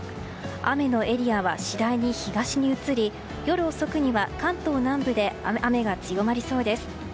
雨のエリアは次第に東に移り夜遅くには関東南部で雨が強まりそうです。